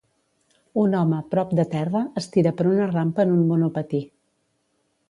Un home, prop de terra, es tira per una rampa en un monopatí.